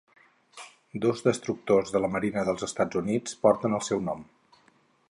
Dos destructors de la Marina dels Estats Units porten el seu nom.